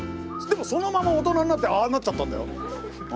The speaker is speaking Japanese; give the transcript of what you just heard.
でもそのまま大人になってああなっちゃったんだよ。